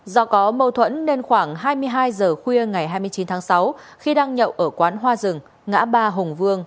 do có mâu thuẫn nên khoảng hai mươi hai giờ khuya ngày hai mươi chín tháng sáu khi đang nhậu ở quán hoa rừng ngã ba hùng vương